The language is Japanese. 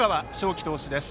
己投手です。